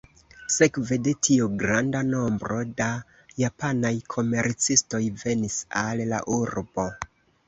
Sekve de tio granda nombro da japanaj komercistoj venis al la urbo.